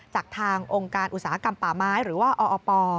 จากทางองค์การอุตสาหกรรมป่าไม้หรือว่าออป